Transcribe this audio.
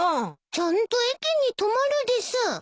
ちゃんと駅に止まるです。